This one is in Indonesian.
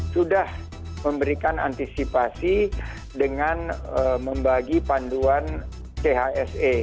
sudah memberikan antisipasi dengan membagi panduan chse